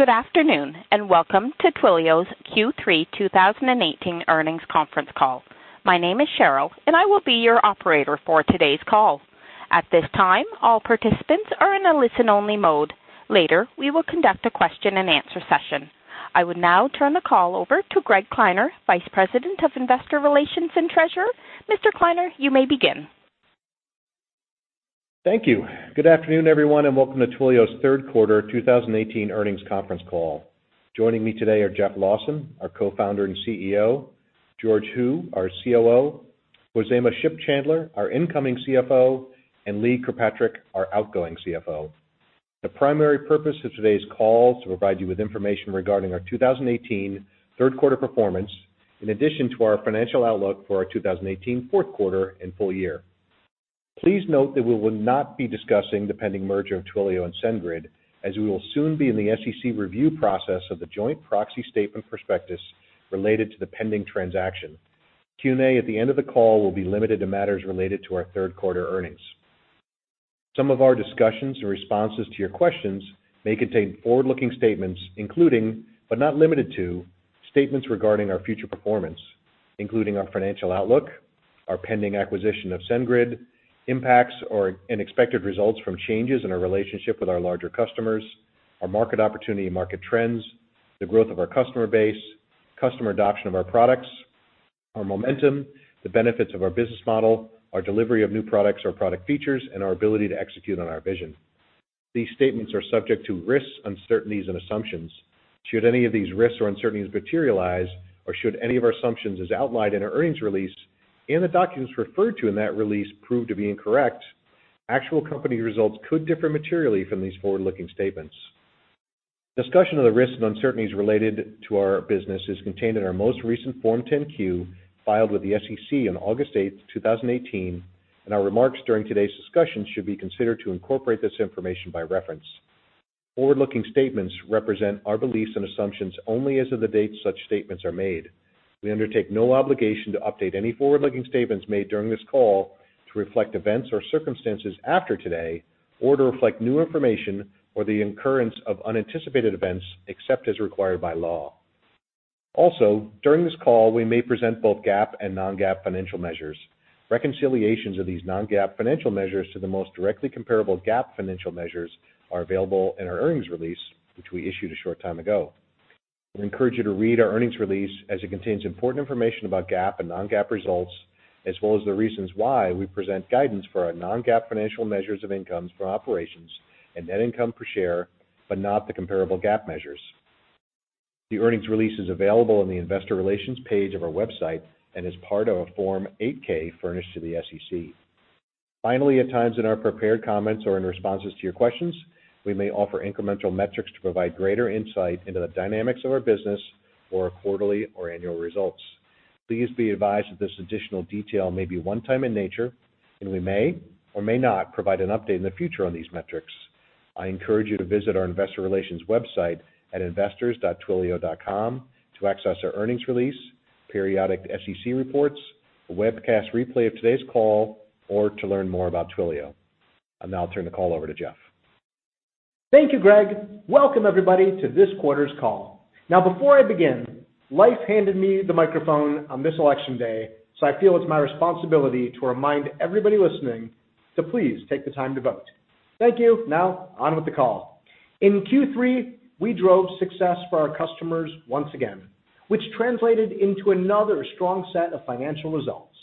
Good afternoon, and welcome to Twilio's Q3 2018 earnings conference call. My name is Cheryl, and I will be your Operator for today's call. At this time, all participants are in a listen-only mode. Later, we will conduct a question and answer session. I would now turn the call over to Greg Kleiner, Vice President of Investor Relations and Treasurer. Mr. Kleiner, you may begin. Thank you. Good afternoon, everyone, and welcome to Twilio's third quarter 2018 earnings conference call. Joining me today are Jeff Lawson, our Co-founder and CEO, George Hu, our COO, Khozema Shipchandler, our incoming CFO, and Lee Kirkpatrick, our outgoing CFO. The primary purpose of today's call is to provide you with information regarding our 2018 third quarter performance, in addition to our financial outlook for our 2018 fourth quarter and full year. Please note that we will not be discussing the pending merger of Twilio and SendGrid, as we will soon be in the SEC review process of the joint proxy statement prospectus related to the pending transaction. Q&A at the end of the call will be limited to matters related to our third quarter earnings. Some of our discussions or responses to your questions may contain forward-looking statements, including, but not limited to, statements regarding our future performance, including our financial outlook, our pending acquisition of SendGrid, impacts or unexpected results from changes in our relationship with our larger customers, our market opportunity and market trends, the growth of our customer base, customer adoption of our products, our momentum, the benefits of our business model, our delivery of new products or product features, and our ability to execute on our vision. These statements are subject to risks, uncertainties, and assumptions. Should any of these risks or uncertainties materialize, or should any of our assumptions as outlined in our earnings release, and the documents referred to in that release prove to be incorrect, actual company results could differ materially from these forward-looking statements. Discussion of the risks and uncertainties related to our business is contained in our most recent Form 10-Q, filed with the SEC on August 8th, 2018, and our remarks during today's discussion should be considered to incorporate this information by reference. Forward-looking statements represent our beliefs and assumptions only as of the date such statements are made. We undertake no obligation to update any forward-looking statements made during this call to reflect events or circumstances after today, or to reflect new information or the occurrence of unanticipated events, except as required by law. Also, during this call, we may present both GAAP and non-GAAP financial measures. Reconciliations of these non-GAAP financial measures to the most directly comparable GAAP financial measures are available in our earnings release, which we issued a short time ago. We encourage you to read our earnings release as it contains important information about GAAP and non-GAAP results, as well as the reasons why we present guidance for our non-GAAP financial measures of incomes from operations and net income per share, but not the comparable GAAP measures. The earnings release is available on the investor relations page of our website and is part of a Form 8-K furnished to the SEC. Finally, at times in our prepared comments or in responses to your questions, we may offer incremental metrics to provide greater insight into the dynamics of our business or our quarterly or annual results. Please be advised that this additional detail may be one time in nature, and we may or may not provide an update in the future on these metrics. I encourage you to visit our investor relations website at investors.twilio.com to access our earnings release, periodic SEC reports, a webcast replay of today's call, or to learn more about Twilio. I'll now turn the call over to Jeff. Thank you, Greg. Welcome everybody to this quarter's call. Before I begin, life handed me the microphone on this election day, so I feel it's my responsibility to remind everybody listening to please take the time to vote. Thank you. On with the call. In Q3, we drove success for our customers once again, which translated into another strong set of financial results.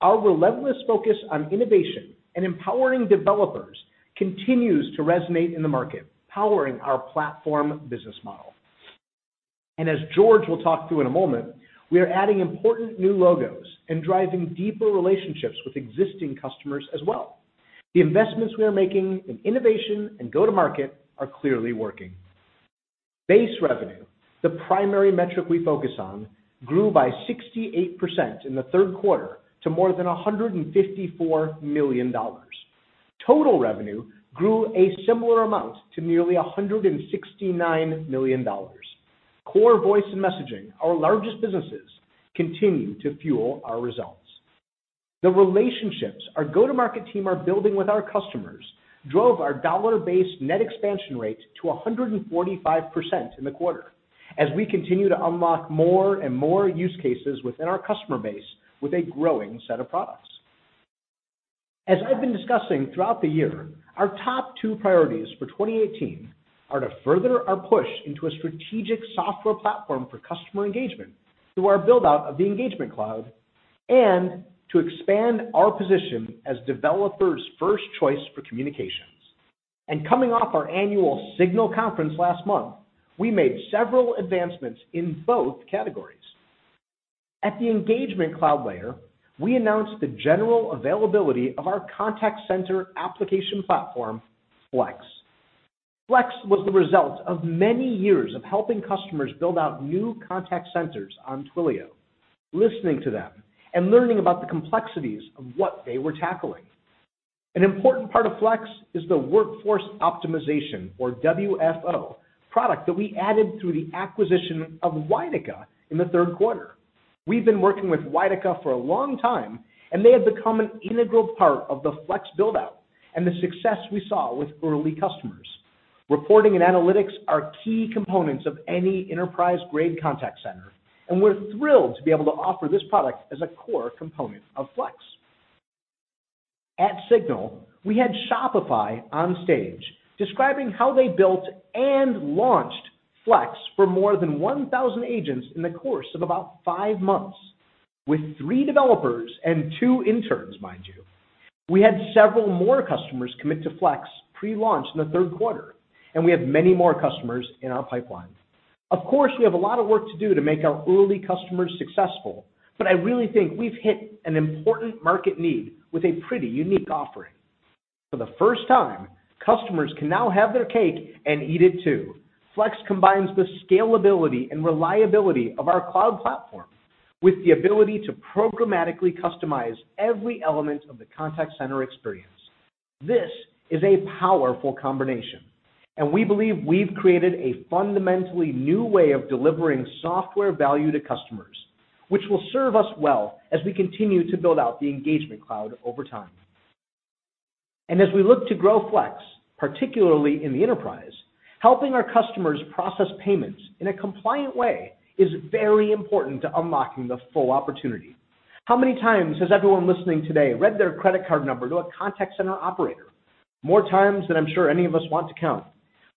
Our relentless focus on innovation and empowering developers continues to resonate in the market, powering our platform business model. As George will talk through in a moment, we are adding important new logos and driving deeper relationships with existing customers as well. The investments we are making in innovation and go-to-market are clearly working. Base revenue, the primary metric we focus on, grew by 68% in the third quarter to more than $154 million. Total revenue grew a similar amount to nearly $169 million. Core voice and messaging, our largest businesses, continue to fuel our results. The relationships our go-to-market team are building with our customers drove our dollar-based net expansion rate to 145% in the quarter, as we continue to unlock more and more use cases within our customer base with a growing set of products. As I've been discussing throughout the year, our top two priorities for 2018 are to further our push into a strategic software platform for customer engagement through our build-out of the Engagement Cloud and to expand our position as developers' first choice for communications. Coming off our annual SIGNAL conference last month, we made several advancements in both categories. At the Engagement Cloud layer, we announced the general availability of our contact center application platform, Flex. Flex was the result of many years of helping customers build out new contact centers on Twilio, listening to them and learning about the complexities of what they were tackling. An important part of Flex is the Workforce Optimization, or WFO, product that we added through the acquisition of Ytica in the third quarter. We've been working with Ytica for a long time, and they have become an integral part of the Flex build-out and the success we saw with early customers. Reporting and analytics are key components of any enterprise-grade contact center, and we're thrilled to be able to offer this product as a core component of Flex. At SIGNAL, we had Shopify on stage describing how they built and launched Flex for more than 1,000 agents in the course of about five months with three developers and two interns, mind you. We had several more customers commit to Flex pre-launch in the third quarter. We have many more customers in our pipeline. Of course, we have a lot of work to do to make our early customers successful, but I really think we've hit an important market need with a pretty unique offering. For the first time, customers can now have their cake and eat it too. Flex combines the scalability and reliability of our cloud platform with the ability to programmatically customize every element of the contact center experience. This is a powerful combination. We believe we've created a fundamentally new way of delivering software value to customers, which will serve us well as we continue to build out the engagement cloud over time. As we look to grow Flex, particularly in the enterprise, helping our customers process payments in a compliant way is very important to unlocking the full opportunity. How many times has everyone listening today read their credit card number to a contact center operator? More times than I'm sure any of us want to count.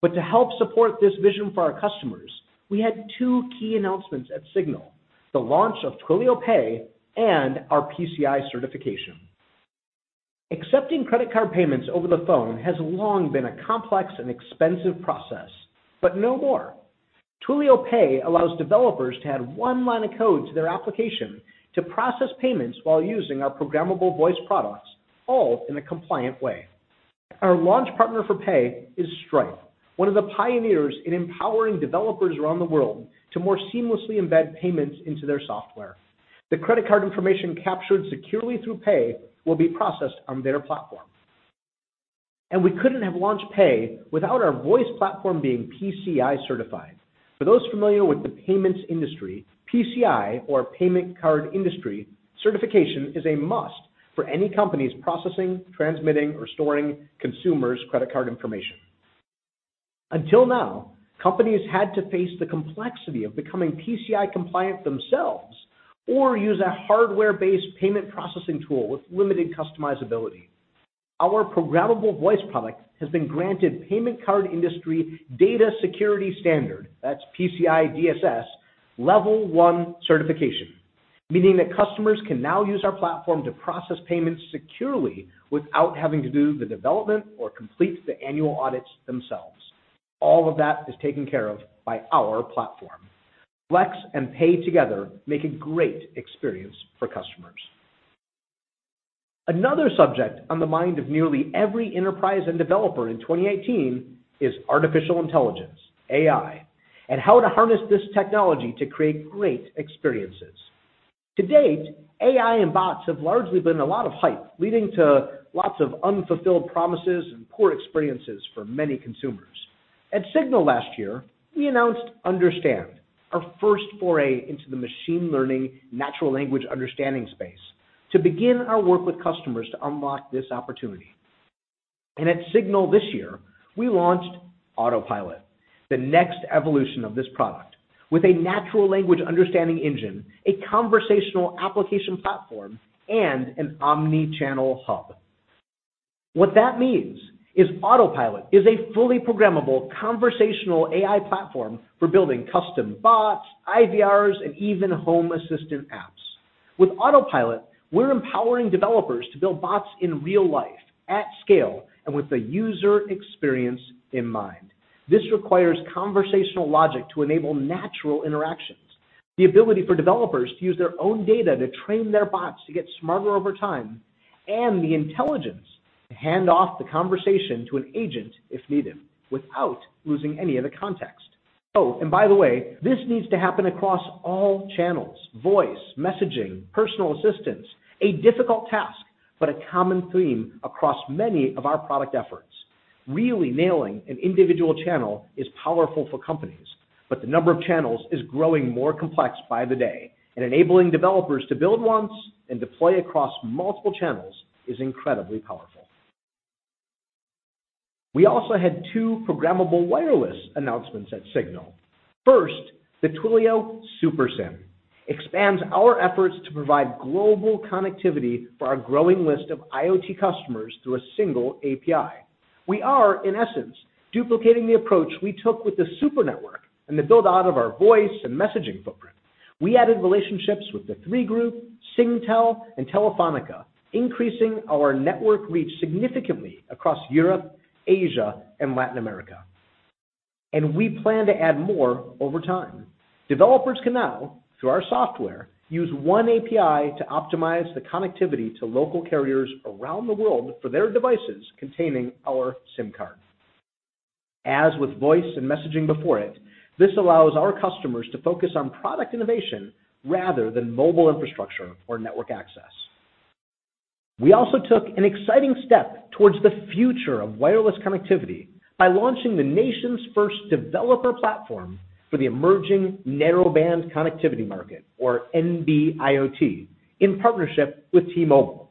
To help support this vision for our customers, we had two key announcements at SIGNAL, the launch of Twilio Pay and our PCI certification. Accepting credit card payments over the phone has long been a complex and expensive process, but no more. Twilio Pay allows developers to add one line of code to their application to process payments while using our programmable voice products, all in a compliant way. Our launch partner for Pay is Stripe, one of the pioneers in empowering developers around the world to more seamlessly embed payments into their software. The credit card information captured securely through Pay will be processed on their platform. We couldn't have launched Pay without our voice platform being PCI certified. For those familiar with the payments industry, PCI, or Payment Card Industry, certification is a must for any companies processing, transmitting, or storing consumers' credit card information. Until now, companies had to face the complexity of becoming PCI compliant themselves or use a hardware-based payment processing tool with limited customizability. Our programmable voice product has been granted Payment Card Industry Data Security Standard, that's PCI DSS, level 1 certification, meaning that customers can now use our platform to process payments securely without having to do the development or complete the annual audits themselves. All of that is taken care of by our platform. Twilio Flex and Twilio Pay together make a great experience for customers. Another subject on the mind of nearly every enterprise and developer in 2018 is artificial intelligence, AI, and how to harness this technology to create great experiences. To date, AI and bots have largely been a lot of hype, leading to lots of unfulfilled promises and poor experiences for many consumers. At SIGNAL last year, we announced Understand, our first foray into the machine learning natural language understanding space to begin our work with customers to unlock this opportunity. At SIGNAL this year, we launched Autopilot, the next evolution of this product, with a natural language understanding engine, a conversational application platform, and an omni-channel hub. What that means is Autopilot is a fully programmable conversational AI platform for building custom bots, IVRs, and even home assistant apps. With Autopilot, we're empowering developers to build bots in real life at scale and with the user experience in mind. This requires conversational logic to enable natural interactions, the ability for developers to use their own data to train their bots to get smarter over time, and the intelligence to hand off the conversation to an agent if needed, without losing any of the context. Oh, and by the way, this needs to happen across all channels, voice, messaging, personal assistants. A difficult task, but a common theme across many of our product efforts. Really nailing an individual channel is powerful for companies, but the number of channels is growing more complex by the day, and enabling developers to build once and deploy across multiple channels is incredibly powerful. We also had two programmable wireless announcements at SIGNAL. First, the Twilio Super SIM expands our efforts to provide global connectivity for our growing list of IoT customers through a single API. We are, in essence, duplicating the approach we took with the Super Network and the build-out of our voice and messaging footprint. We added relationships with Three Group, Singtel, and Telefonica, increasing our network reach significantly across Europe, Asia, and Latin America. We plan to add more over time. Developers can now, through our software, use one API to optimize the connectivity to local carriers around the world for their devices containing our SIM card. As with voice and messaging before it, this allows our customers to focus on product innovation rather than mobile infrastructure or network access. We also took an exciting step towards the future of wireless connectivity by launching the nation's first developer platform for the emerging narrowband connectivity market, or NB-IoT, in partnership with T-Mobile.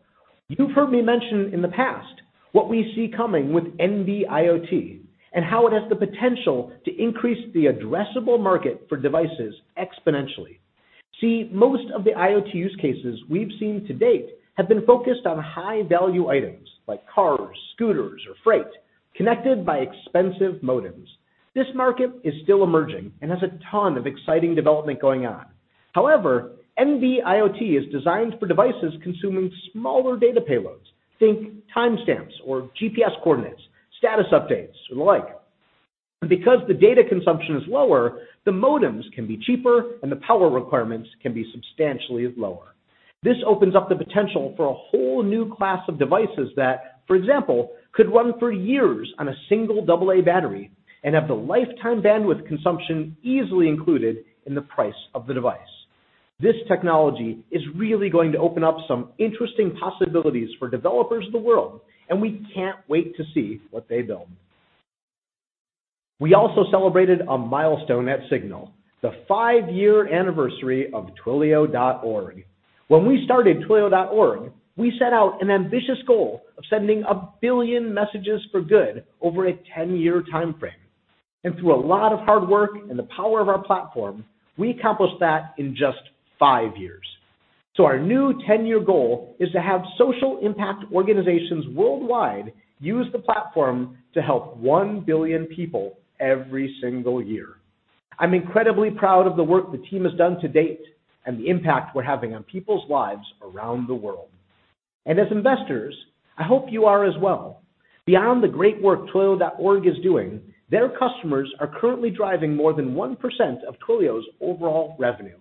You've heard me mention in the past what we see coming with NB-IoT and how it has the potential to increase the addressable market for devices exponentially. See, most of the IoT use cases we've seen to date have been focused on high-value items like cars, scooters, or freight connected by expensive modems. This market is still emerging and has a ton of exciting development going on. However, NB-IoT is designed for devices consuming smaller data payloads, think timestamps or GPS coordinates, status updates, and the like. Because the data consumption is lower, the modems can be cheaper, and the power requirements can be substantially lower. This opens up the potential for a whole new class of devices that, for example, could run for years on a single double A battery and have the lifetime bandwidth consumption easily included in the price of the device. This technology is really going to open up some interesting possibilities for developers of the world, and we can't wait to see what they build. We also celebrated a milestone at SIGNAL, the five-year anniversary of twilio.org. When we started twilio.org, we set out an ambitious goal of sending 1 billion messages for good over a 10-year timeframe. And through a lot of hard work and the power of our platform, we accomplished that in just five years. Our new 10-year goal is to have social impact organizations worldwide use the platform to help 1 billion people every single year. I'm incredibly proud of the work the team has done to date and the impact we're having on people's lives around the world. And as investors, I hope you are as well. Beyond the great work twilio.org is doing, their customers are currently driving more than 1% of Twilio's overall revenue,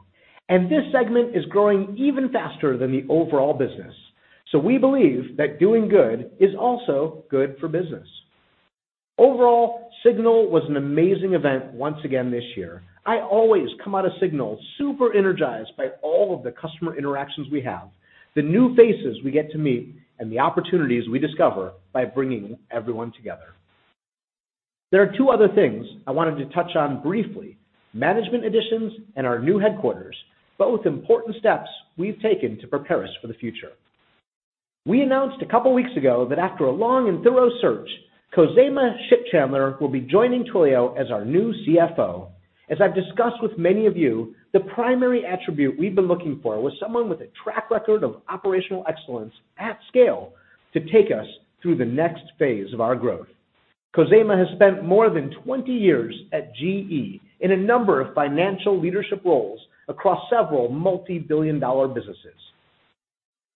and this segment is growing even faster than the overall business. We believe that doing good is also good for business. Overall, SIGNAL was an amazing event once again this year. I always come out of SIGNAL super energized by all of the customer interactions we have, the new faces we get to meet, and the opportunities we discover by bringing everyone together. There are two other things I wanted to touch on briefly, management additions and our new headquarters, both important steps we've taken to prepare us for the future. We announced a couple of weeks ago that after a long and thorough search, Khozema Shipchandler will be joining Twilio as our new CFO. As I've discussed with many of you, the primary attribute we've been looking for was someone with a track record of operational excellence at scale to take us through the next phase of our growth. Khozema has spent more than 20 years at GE in a number of financial leadership roles across several multibillion-dollar businesses.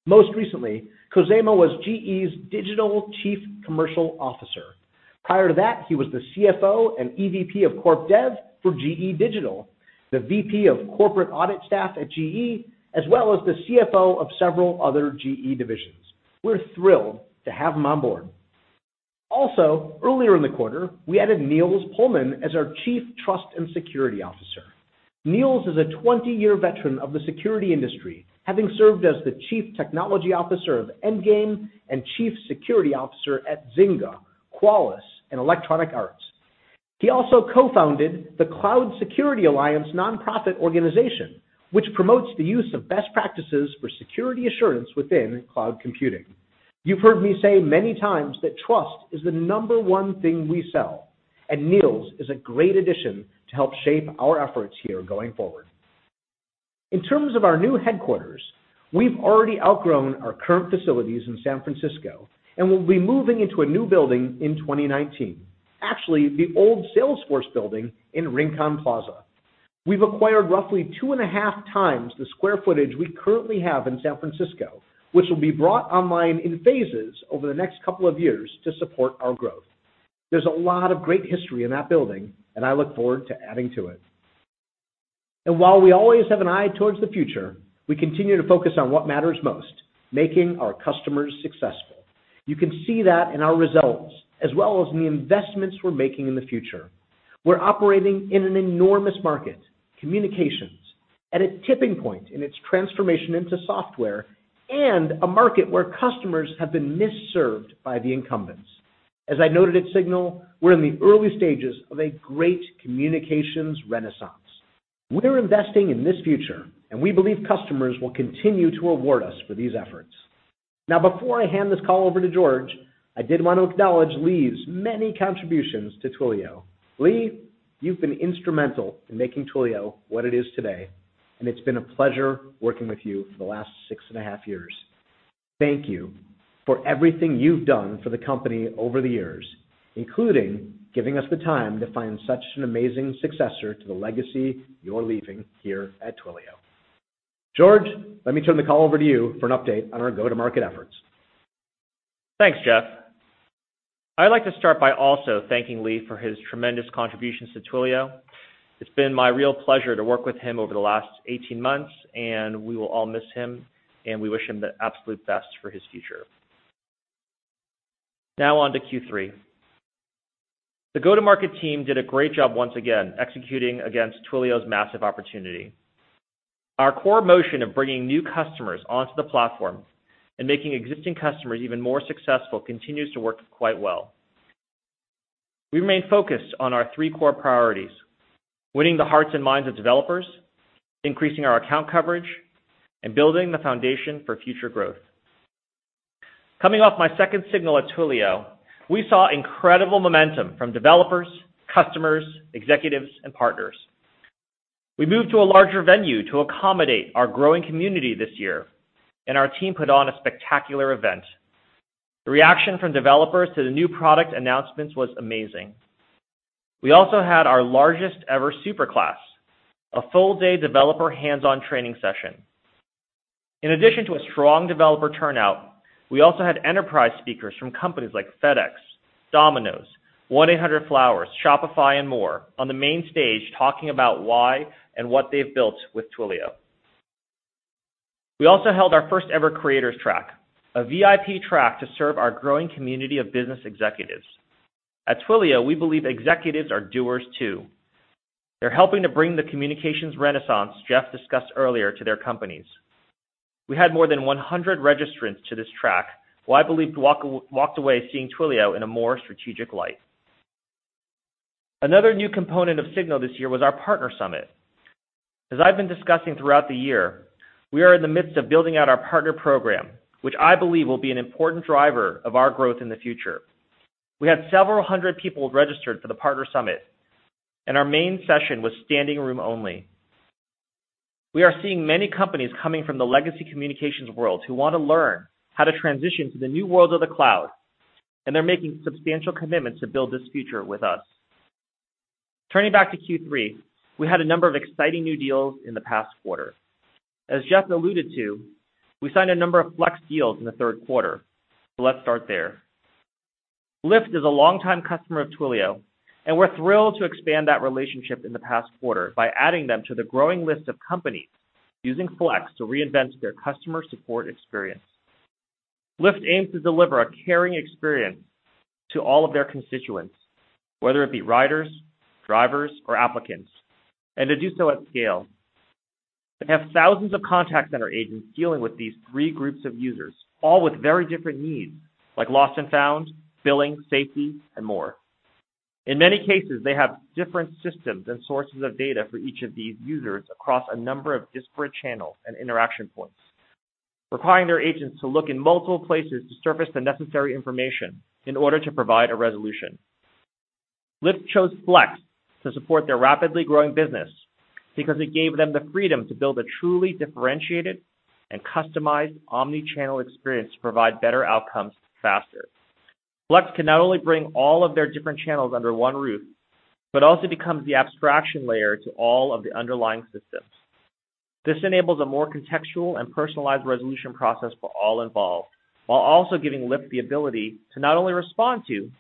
Most recently, Khozema was GE's Digital Chief Commercial Officer. Prior to that, he was the CFO and EVP of Corp Dev for GE Digital, the VP of Corporate Audit Staff at GE, as well as the CFO of several other GE divisions. We're thrilled to have him on board. Also, earlier in the quarter, we added Niels Pohlmann as our Chief Trust and Security Officer. Niels is a 20-year veteran of the security industry, having served as the Chief Technology Officer of Endgame and Chief Security Officer at Zynga, Qualys, and Electronic Arts. He also co-founded the Cloud Security Alliance nonprofit organization, which promotes the use of best practices for security assurance within cloud computing. You've heard me say many times that trust is the number one thing we sell, and Niels is a great addition to help shape our efforts here going forward. In terms of our new headquarters, we've already outgrown our current facilities in San Francisco and will be moving into a new building in 2019. Actually, the old Salesforce building in Rincon Center. We've acquired roughly two and a half times the square footage we currently have in San Francisco, which will be brought online in phases over the next couple of years to support our growth. There's a lot of great history in that building, and I look forward to adding to it. While we always have an eye towards the future, we continue to focus on what matters most, making our customers successful. You can see that in our results as well as in the investments we're making in the future. We're operating in an enormous market, communications, at a tipping point in its transformation into software and a market where customers have been misserved by the incumbents. As I noted at SIGNAL, we're in the early stages of a great communications renaissance. We're investing in this future, and we believe customers will continue to award us for these efforts. Now, before I hand this call over to George, I did want to acknowledge Lee's many contributions to Twilio. Lee, you've been instrumental in making Twilio what it is today, and it's been a pleasure working with you for the last six and a half years. Thank you for everything you've done for the company over the years, including giving us the time to find such an amazing successor to the legacy you're leaving here at Twilio. George, let me turn the call over to you for an update on our go-to-market efforts. Thanks, Jeff. I'd like to start by also thanking Lee for his tremendous contributions to Twilio. It's been my real pleasure to work with him over the last 18 months, and we will all miss him, and we wish him the absolute best for his future. Now on to Q3. The go-to-market team did a great job once again executing against Twilio's massive opportunity. Our core motion of bringing new customers onto the platform and making existing customers even more successful continues to work quite well. We remain focused on our three core priorities: winning the hearts and minds of developers, increasing our account coverage, and building the foundation for future growth. Coming off my second SIGNAL at Twilio, we saw incredible momentum from developers, customers, executives, and partners. We moved to a larger venue to accommodate our growing community this year, and our team put on a spectacular event. The reaction from developers to the new product announcements was amazing. We also had our largest ever Superclass, a full-day developer hands-on training session. In addition to a strong developer turnout, we also had enterprise speakers from companies like FedEx, Domino's, 1-800-Flowers, Shopify, and more on the main stage talking about why and what they've built with Twilio. We also held our first ever Creators Track, a VIP track to serve our growing community of business executives. At Twilio, we believe executives are doers, too. They're helping to bring the communications renaissance Jeff discussed earlier to their companies. We had more than 100 registrants to this track, who I believe walked away seeing Twilio in a more strategic light. Another new component of SIGNAL this year was our partner summit. As I have been discussing throughout the year, we are in the midst of building out our partner program, which I believe will be an important driver of our growth in the future. Our main session was standing room only. We had several hundred people registered for the partner summit. We are seeing many companies coming from the legacy communications world who want to learn how to transition to the new world of the cloud. They are making substantial commitments to build this future with us. Turning back to Q3, we had a number of exciting new deals in the past quarter. As Jeff alluded to, we signed a number of Flex deals in the third quarter. Let's start there. Lyft is a longtime customer of Twilio. We are thrilled to expand that relationship in the past quarter by adding them to the growing list of companies using Flex to reinvent their customer support experience. Lyft aims to deliver a caring experience to all of their constituents, whether it be riders, drivers, or applicants. To do so at scale, they have thousands of contact center agents dealing with these three groups of users, all with very different needs, like lost and found, billing, safety, and more. In many cases, they have different systems and sources of data for each of these users across a number of disparate channels and interaction points, requiring their agents to look in multiple places to surface the necessary information in order to provide a resolution. Lyft chose Flex to support their rapidly growing business because it gave them the freedom to build a truly differentiated and customized omni-channel experience to provide better outcomes faster. Flex can not only bring all of their different channels under one roof. Also becomes the abstraction layer to all of the underlying systems. This enables a more contextual and personalized resolution process for all involved, while also giving Lyft the ability to not only respond to,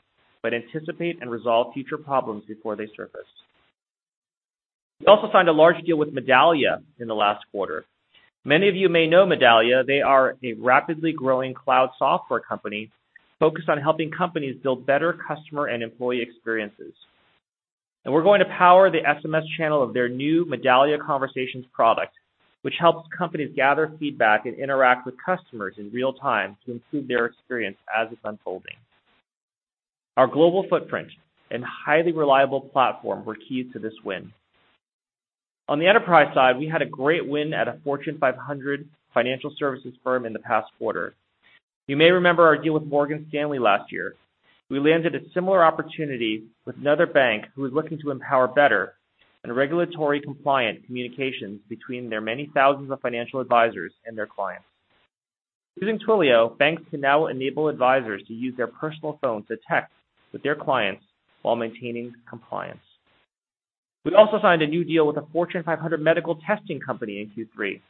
but anticipate and resolve future problems before they surface. We also signed a large deal with Medallia in the last quarter. Many of you may know Medallia. They are a rapidly growing cloud software company focused on helping companies build better customer and employee experiences. We are going to power the SMS channel of their new Medallia Conversations product, which helps companies gather feedback and interact with customers in real time to improve their experience as it is unfolding. Our global footprint and highly reliable platform were key to this win. On the enterprise side, we had a great win at a Fortune 500 financial services firm in the past quarter. You may remember our deal with Morgan Stanley last year. We landed a similar opportunity with another bank who is looking to empower better and regulatory compliant communications between their many thousands of financial advisors and their clients. Using Twilio, banks can now enable advisors to use their personal phone to text with their clients while maintaining compliance. We also signed a new deal with a Fortune 500 medical testing company in Q3.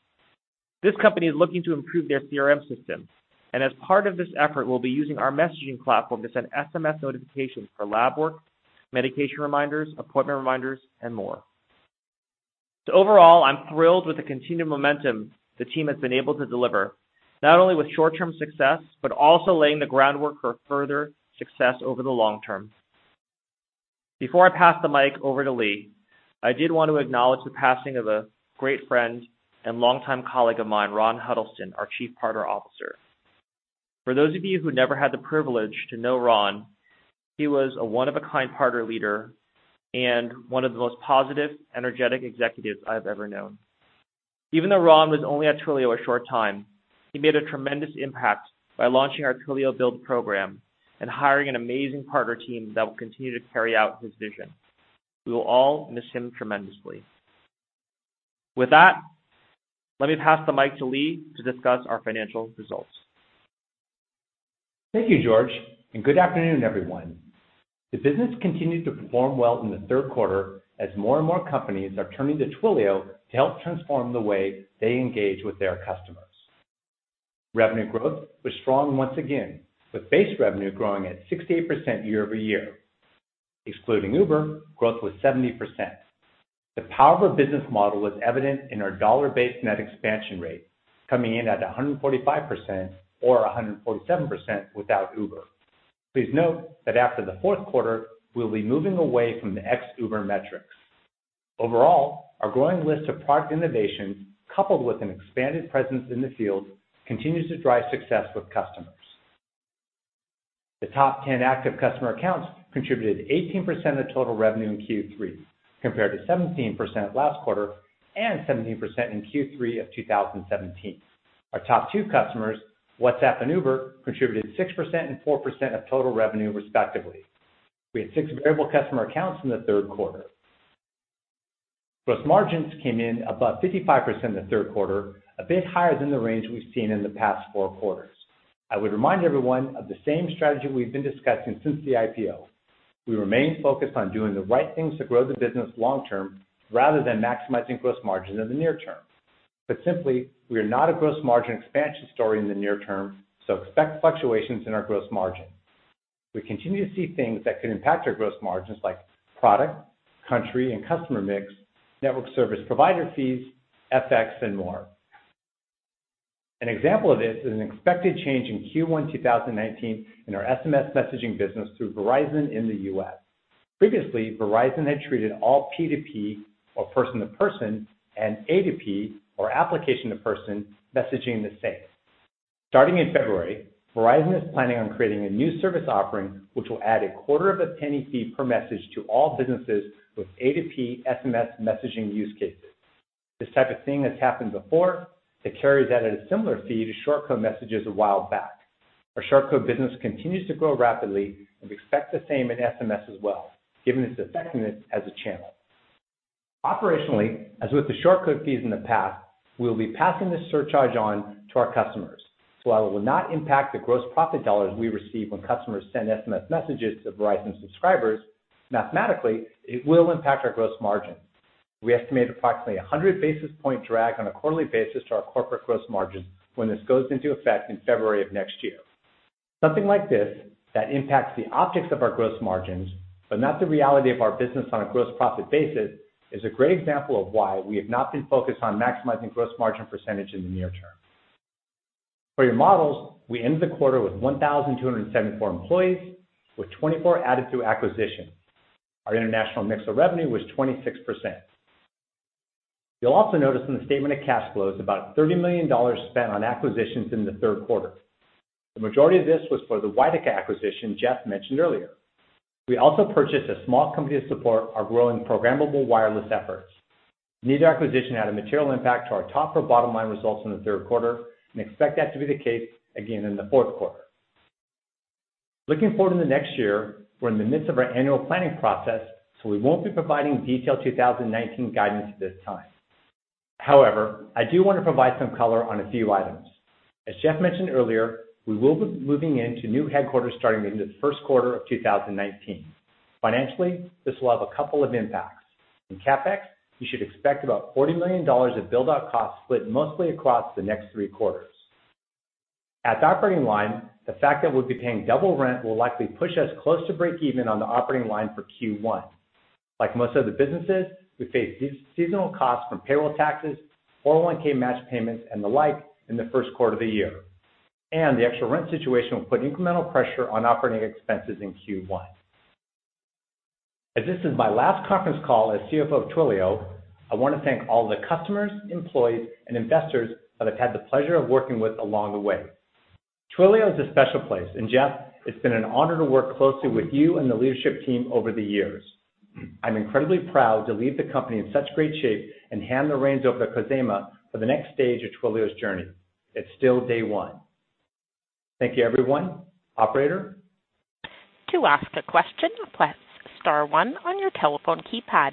This company is looking to improve their CRM system, and as part of this effort, will be using our messaging platform to send SMS notifications for lab work, medication reminders, appointment reminders, and more. Overall, I'm thrilled with the continued momentum the team has been able to deliver, not only with short-term success, but also laying the groundwork for further success over the long term. Before I pass the mic over to Lee, I did want to acknowledge the passing of a great friend and longtime colleague of mine, Ron Huddleston, our Chief Partner Officer. For those of you who never had the privilege to know Ron, he was a one of a kind partner, leader, and one of the most positive, energetic executives I have ever known. Even though Ron was only at Twilio a short time, he made a tremendous impact by launching our Twilio Build program and hiring an amazing partner team that will continue to carry out his vision. We will all miss him tremendously. With that, let me pass the mic to Lee to discuss our financial results. Thank you, George, and good afternoon, everyone. The business continued to perform well in the third quarter as more and more companies are turning to Twilio to help transform the way they engage with their customers. Revenue growth was strong once again, with base revenue growing at 68% year-over-year. Excluding Uber, growth was 70%. The power of our business model was evident in our dollar-based net expansion rate, coming in at 145%, or 147% without Uber. Please note that after the fourth quarter, we'll be moving away from the ex-Uber metrics. Overall, our growing list of product innovations, coupled with an expanded presence in the field, continues to drive success with customers. The top 10 active customer accounts contributed 18% of total revenue in Q3, compared to 17% last quarter and 17% in Q3 of 2017. Our top two customers, WhatsApp and Uber, contributed 6% and 4% of total revenue respectively. We had six variable customer accounts in the third quarter. Gross margins came in above 55% in the third quarter, a bit higher than the range we've seen in the past four quarters. I would remind everyone of the same strategy we've been discussing since the IPO. We remain focused on doing the right things to grow the business long term rather than maximizing gross margin in the near term. Put simply, we are not a gross margin expansion story in the near term, so expect fluctuations in our gross margin. We continue to see things that could impact our gross margins, like product, country, and customer mix, network service provider fees, FX, and more. An example of this is an expected change in Q1 2019 in our SMS messaging business through Verizon in the U.S. Previously, Verizon had treated all P2P, or person-to-person, and A2P, or application-to-person, messaging the same. Starting in February, Verizon is planning on creating a new service offering, which will add a quarter of a penny fee per message to all businesses with A2P SMS messaging use cases. This type of thing has happened before. They carried out a similar fee to short code messages a while back. Our short code business continues to grow rapidly and we expect the same in SMS as well, given its effectiveness as a channel. Operationally, as with the short code fees in the past, we will be passing this surcharge on to our customers. While it will not impact the gross profit dollars we receive when customers send SMS messages to Verizon subscribers, mathematically, it will impact our gross margin. We estimate approximately 100 basis point drag on a quarterly basis to our corporate gross margins when this goes into effect in February of next year. Something like this, that impacts the optics of our gross margins, but not the reality of our business on a gross profit basis, is a great example of why we have not been focused on maximizing gross margin percentage in the near term. For your models, we ended the quarter with 1,274 employees, with 24 added through acquisition. Our international mix of revenue was 26%. You will also notice in the statement of cash flows, about $30 million spent on acquisitions in the third quarter. The majority of this was for the Ytica acquisition Jeff mentioned earlier. We also purchased a small company to support our growing programmable wireless efforts. Neither acquisition had a material impact to our top or bottom line results in the third quarter, and expect that to be the case again in the fourth quarter. Looking forward to next year, we are in the midst of our annual planning process, so we will not be providing detailed 2019 guidance at this time. However, I do want to provide some color on a few items. As Jeff mentioned earlier, we will be moving into new headquarters starting in the first quarter of 2019. Financially, this will have a couple of impacts. In CapEx, you should expect about $40 million of build-out costs split mostly across the next three quarters. At the operating line, the fact that we will be paying double rent will likely push us close to breakeven on the operating line for Q1. Like most other businesses, we face seasonal costs from payroll taxes, 401(k) match payments, and the like in the first quarter of the year, and the extra rent situation will put incremental pressure on operating expenses in Q1. As this is my last conference call as CFO of Twilio, I want to thank all the customers, employees, and investors that I have had the pleasure of working with along the way. Twilio is a special place, and Jeff, it has been an honor to work closely with you and the leadership team over the years. I am incredibly proud to leave the company in such great shape and hand the reins over to Khozema for the next stage of Twilio's journey. It is still day one. Thank you everyone. Operator? To ask a question, press *1 on your telephone keypad.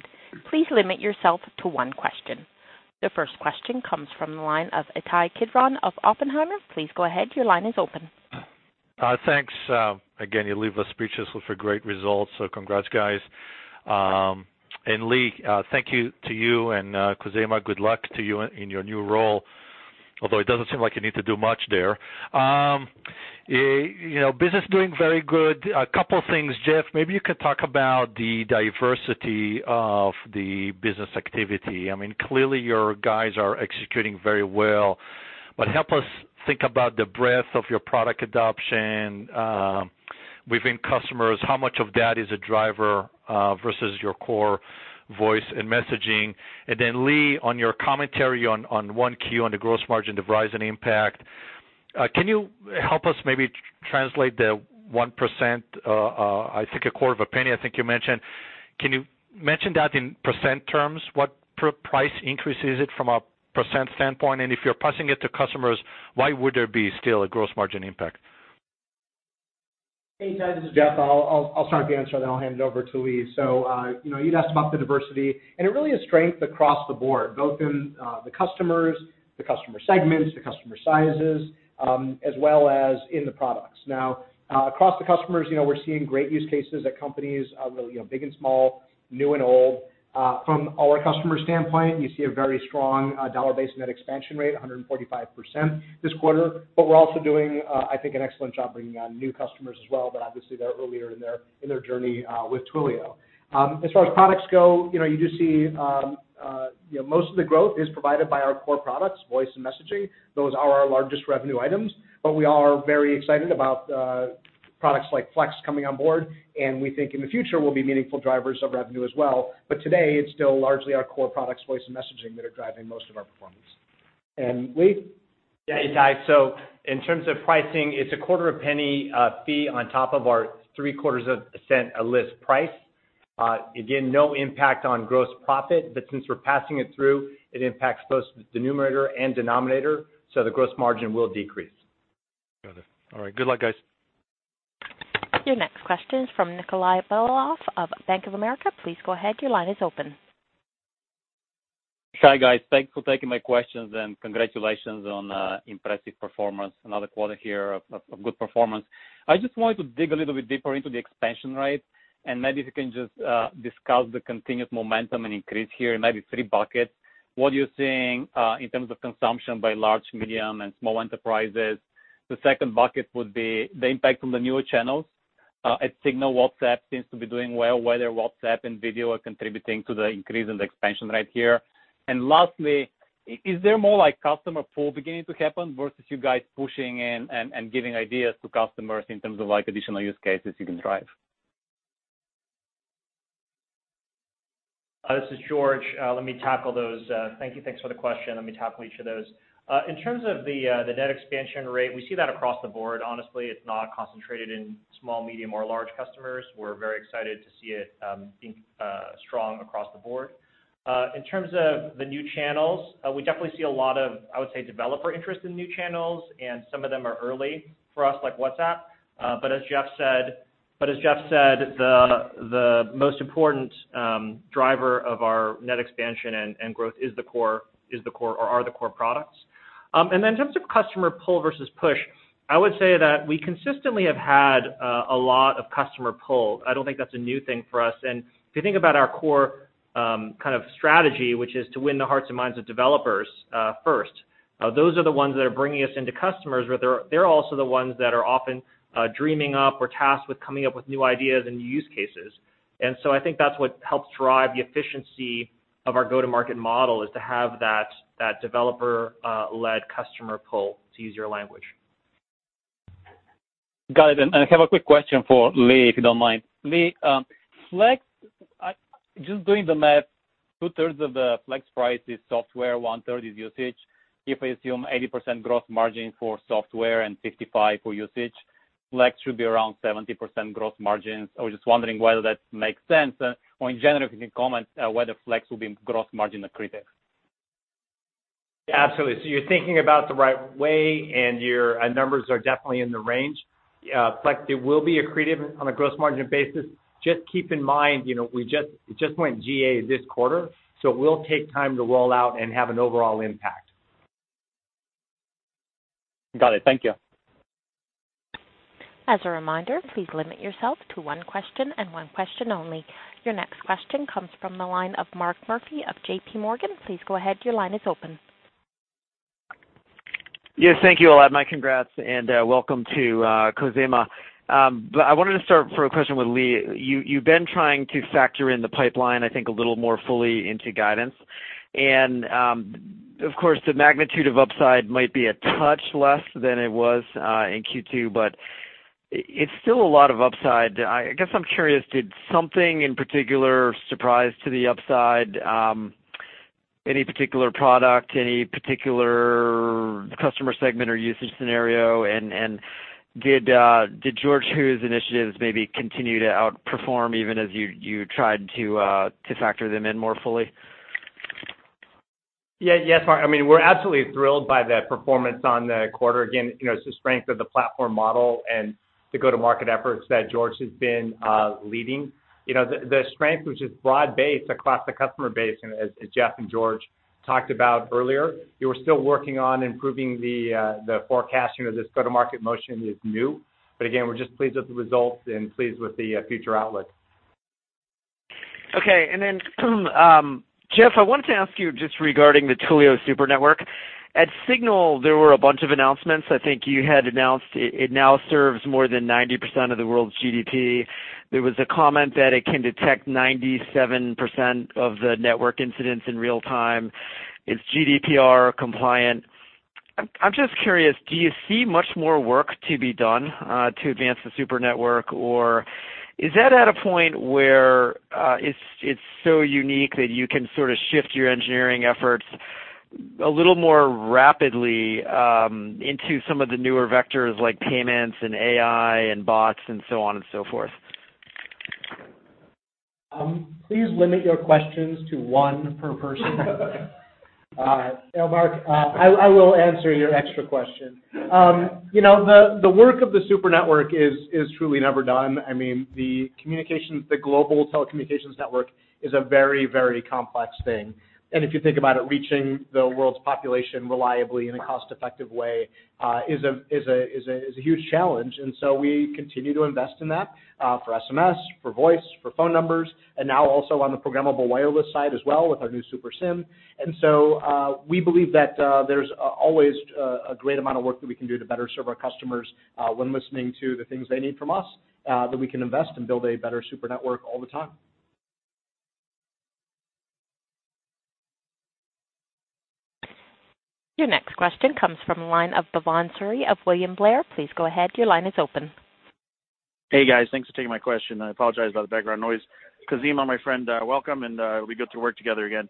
Please limit yourself to one question. The first question comes from the line of Ittai Kidron of Oppenheimer. Please go ahead, your line is open. Thanks. You leave us speechless with the great results, congrats, guys. Lee, thank you to you, and Khozema, good luck to you in your new role, although it doesn't seem like you need to do much there. Business doing very good. A couple of things, Jeff, maybe you could talk about the diversity of the business activity. I mean, clearly your guys are executing very well, help us think about the breadth of your product adoption within customers, how much of that is a driver versus your core voice and messaging. Lee, on your commentary on one Q on the gross margin, the Verizon impact, can you help us maybe translate the 1%, I think a quarter of a penny, I think you mentioned. Can you mention that in percent terms? What price increase is it from a percent standpoint? If you're passing it to customers, why would there be still a gross margin impact? Hey, Ittai, this is Jeff. I'll start the answer and then I'll hand it over to Lee. You'd asked about the diversity, and it really is strength across the board, both in the customers, the customer segments, the customer sizes, as well as in the products. Now, across the customers, we're seeing great use cases at companies, big and small, new and old. From our customer standpoint, we see a very strong dollar-based net expansion rate, 145% this quarter. We're also doing, I think, an excellent job bringing on new customers as well, but obviously they're earlier in their journey with Twilio. As far as products go, you do see a Most of the growth is provided by our core products, voice and messaging. Those are our largest revenue items, but we are very excited about products like Flex coming on board, and we think in the future will be meaningful drivers of revenue as well. Today, it's still largely our core products, voice and messaging, that are driving most of our performance. Lee? Yeah. Hey, guys. In terms of pricing, it's a $0.0025 fee on top of our $0.0075 list price. Again, no impact on gross profit, but since we're passing it through, it impacts both the numerator and denominator, so the gross margin will decrease. Got it. All right. Good luck, guys. Your next question is from Nikolay Beliov of Bank of America. Please go ahead. Your line is open. Hi, guys. Thanks for taking my questions and congratulations on impressive performance. Another quarter here of good performance. I just wanted to dig a little bit deeper into the expansion rate, maybe if you can just discuss the continuous momentum and increase here, maybe three buckets. What are you seeing in terms of consumption by large, medium, and small enterprises? The second bucket would be the impact on the newer channels. At SIGNAL, WhatsApp seems to be doing well. Whether WhatsApp and video are contributing to the increase in the expansion rate here. Lastly, is there more customer pull beginning to happen versus you guys pushing and giving ideas to customers in terms of additional use cases you can drive? This is George. Let me tackle those. Thank you. Thanks for the question. Let me tackle each of those. In terms of the net expansion rate, we see that across the board. Honestly, it's not concentrated in small, medium, or large customers. We're very excited to see it being strong across the board. In terms of the new channels, we definitely see a lot of, I would say, developer interest in new channels, some of them are early for us, like WhatsApp. As Jeff said, the most important driver of our net expansion and growth are the core products. In terms of customer pull versus push, I would say that we consistently have had a lot of customer pull. I don't think that's a new thing for us. If you think about our core kind of strategy, which is to win the hearts and minds of developers first, those are the ones that are bringing us into customers, but they're also the ones that are often dreaming up or tasked with coming up with new ideas and new use cases. I think that's what helps drive the efficiency of our go-to-market model, is to have that developer-led customer pull, to use your language. Got it. I have a quick question for Lee, if you don't mind. Lee, Flex, just doing the math, two-thirds of the Flex price is software, one-third is usage. If I assume 80% gross margin for software and 55% for usage, Flex should be around 70% gross margins. I was just wondering whether that makes sense, or in general, if you can comment whether Flex will be gross margin accretive. Absolutely. You're thinking about the right way, and your numbers are definitely in the range. Flex, it will be accretive on a gross margin basis. Just keep in mind, it just went GA this quarter, it will take time to roll out and have an overall impact. Got it. Thank you. As a reminder, please limit yourself to one question and one question only. Your next question comes from the line of Mark Murphy of JP Morgan. Please go ahead. Your line is open. Yes, thank you. I'll add my congrats and welcome to Khozema. I wanted to start for a question with Lee. You've been trying to factor in the pipeline, I think, a little more fully into guidance. Of course, the magnitude of upside might be a touch less than it was in Q2, but it's still a lot of upside. I guess I'm curious, did something in particular surprise to the upside, any particular product, any particular customer segment or usage scenario? Did George, whose initiatives maybe continue to outperform even as you tried to factor them in more fully? Mark, we're absolutely thrilled by the performance on the quarter. It's the strength of the platform model and the go-to-market efforts that George has been leading. The strength, which is broad-based across the customer base, as Jeff and George talked about earlier, we're still working on improving the forecasting of this go-to-market motion is new. We're just pleased with the results and pleased with the future outlook. Jeff, I wanted to ask you just regarding the Twilio Super Network. At SIGNAL, there were a bunch of announcements. You had announced it now serves more than 90% of the world's GDP. There was a comment that it can detect 97% of the network incidents in real time. It's GDPR compliant. Do you see much more work to be done to advance the Super Network, or is that at a point where it's so unique that you can sort of shift your engineering efforts a little more rapidly into some of the newer vectors like payments and AI and bots? Please limit your questions to one per person. Mark, I will answer your extra question. The work of the Super Network is truly never done. The global telecommunications network is a very complex thing. If you think about it, reaching the world's population reliably in a cost-effective way, is a huge challenge. We continue to invest in that, for SMS, for voice, for phone numbers, and now also on the programmable wireless side as well with our new Super SIM. We believe that there's always a great amount of work that we can do to better serve our customers when listening to the things they need from us. That we can invest and build a better Super Network all the time. Your next question comes from the line of Bhavan Suri of William Blair. Please go ahead. Your line is open. Hey, guys. Thanks for taking my question. I apologize about the background noise. Khozema, my friend, welcome, and it'll be good to work together again.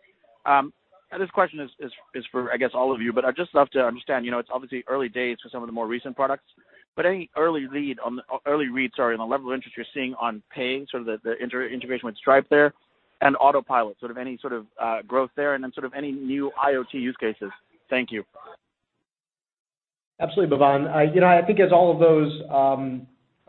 This question is for, I guess, all of you, but I'd just love to understand. It's obviously early days for some of the more recent products, but any early read on the level of interest you're seeing on Twilio Pay, the integration with Stripe there, and Autopilot, any sort of growth there, and then any new IoT use cases? Thank you. Absolutely, Bhavan. I think as all of those,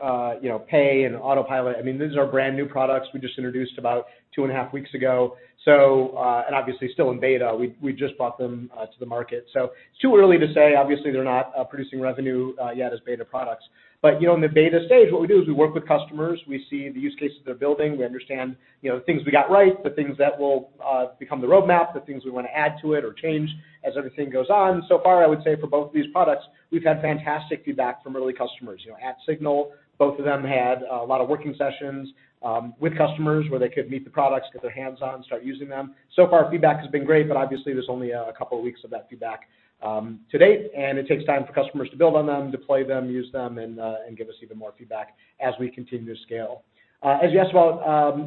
Twilio Pay and Autopilot, these are brand-new products we just introduced about two and a half weeks ago, and obviously still in beta. We just brought them to the market. It's too early to say. Obviously, they're not producing revenue yet as beta products. In the beta stage, what we do is we work with customers. We see the use cases they're building. We understand the things we got right, the things that will become the roadmap, the things we want to add to it or change as everything goes on. So far, I would say for both of these products, we've had fantastic feedback from early customers. At SIGNAL, both of them had a lot of working sessions with customers where they could meet the products, get their hands on, start using them. So far, feedback has been great, but obviously, there's only a couple of weeks of that feedback to date, and it takes time for customers to build on them, deploy them, use them, and give us even more feedback as we continue to scale. As you asked about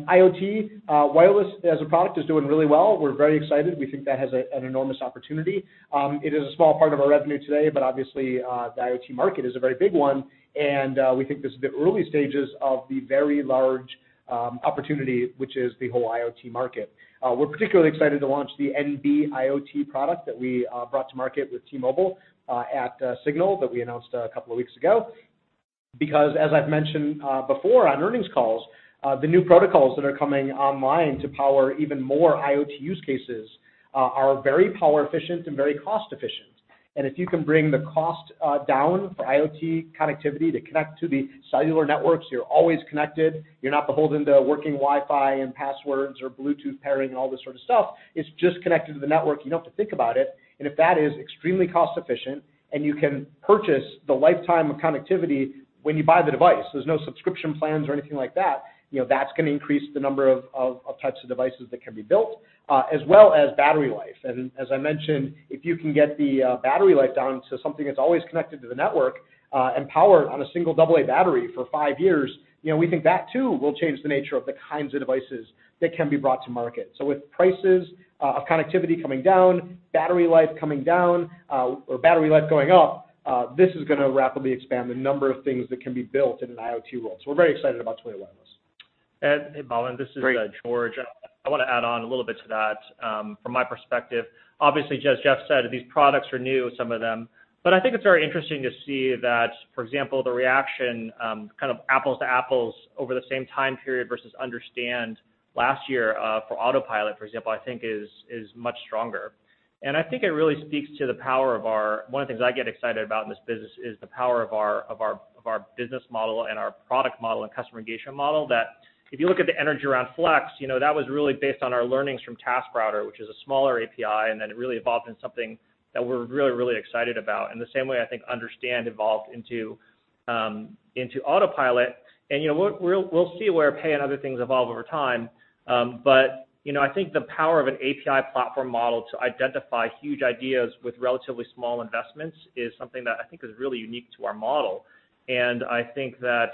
IoT, Wireless as a product is doing really well. We're very excited. We think that has an enormous opportunity. It is a small part of our revenue today, but obviously, the IoT market is a very big one, and we think this is the early stages of the very large opportunity, which is the whole IoT market. We're particularly excited to launch the NB-IoT product that we brought to market with T-Mobile at SIGNAL that we announced a couple of weeks ago. As I've mentioned before on earnings calls, the new protocols that are coming online to power even more IoT use cases are very power efficient and very cost efficient. If you can bring the cost down for IoT connectivity to connect to the cellular networks, you're always connected. You're not beholden to working Wi-Fi and passwords or Bluetooth pairing and all this sort of stuff. It's just connected to the network. You don't have to think about it. If that is extremely cost efficient, and you can purchase the lifetime of connectivity when you buy the device, there's no subscription plans or anything like that's going to increase the number of types of devices that can be built, as well as battery life. As I mentioned, if you can get the battery life down to something that's always connected to the network and powered on a single double A battery for five years, we think that too will change the nature of the kinds of devices that can be brought to market. With prices of connectivity coming down, battery life coming down, or battery life going up, this is going to rapidly expand the number of things that can be built in an IoT world. We're very excited about Twilio Wireless. Hey, Bhavan, this is George. I want to add on a little bit to that from my perspective. Obviously, as Jeff said, these products are new, some of them. I think it's very interesting to see that, for example, the reaction, kind of apples to apples over the same time period versus Understand last year for Autopilot, for example, I think is much stronger. I think it really speaks to the power of our, one of the things I get excited about in this business is the power of our business model and our product model and customer engagement model, that if you look at the energy around Flex, that was really based on our learnings from TaskRouter, which is a smaller API, then it really evolved into something that we're really, really excited about. In the same way, I think Understand evolved into Autopilot. We'll see where Pay and other things evolve over time. I think the power of an API platform model to identify huge ideas with relatively small investments is something that I think is really unique to our model. I think that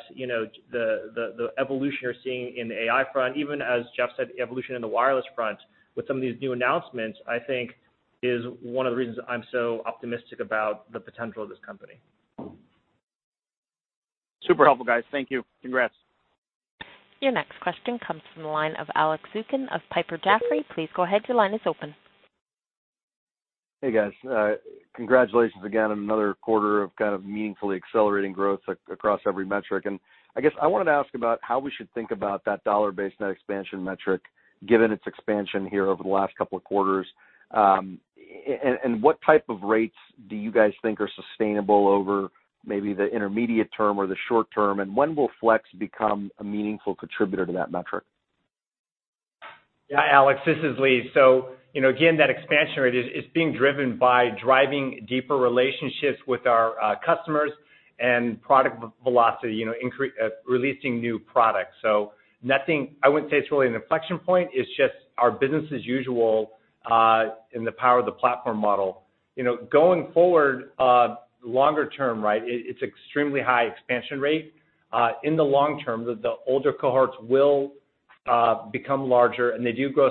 the evolution you're seeing in the AI front, even as Jeff said, the evolution in the wireless front with some of these new announcements, I think is one of the reasons I'm so optimistic about the potential of this company. Super helpful, guys. Thank you. Congrats. Your next question comes from the line of Alex Zukin of Piper Jaffray. Please go ahead. Your line is open. Hey, guys. Congratulations again on another quarter of meaningfully accelerating growth across every metric. I guess I wanted to ask about how we should think about that dollar-based net expansion metric, given its expansion here over the last couple of quarters. What type of rates do you guys think are sustainable over maybe the intermediate term or the short term, and when will Flex become a meaningful contributor to that metric? Yeah, Alex, this is Lee. Again, that expansion rate is being driven by driving deeper relationships with our customers and product velocity, releasing new products. I wouldn't say it's really an inflection point. It's just our business as usual in the power of the platform model. Going forward, longer term, it's extremely high expansion rate. In the long term, the older cohorts will become larger, and they do grow